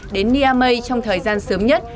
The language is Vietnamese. đến niamey trong thời gian sớm nhất